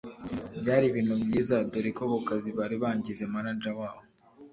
byari ibintu byiza doreko kukazi bari bangize manager waho